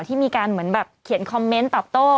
ที่มีการเหมือนแบบเขียนคอมเมนต์ตอบโต้